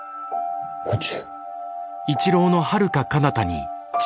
宇宙？